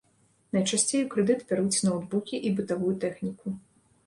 Найчасцей у крэдыт бяруць ноўтбукі і бытавую тэхніку.